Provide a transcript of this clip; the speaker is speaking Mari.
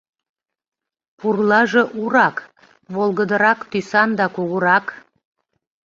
Пурлаже урак, волгыдырак тӱсан да кугурак.